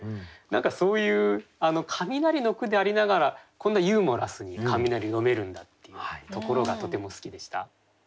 何かそういう「雷」の句でありながらこんなユーモラスに雷詠めるんだっていうところがとても好きでした。